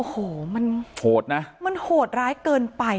โหโหดนะมันโหดร้ายเกินไป